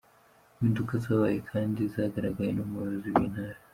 Impinduka zabaye kandi zagaragaye no mu bayobozi b’intara .